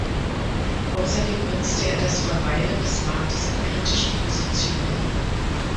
Außerdem nutzte er das Verweilen des Marktes an kritischen Positionen.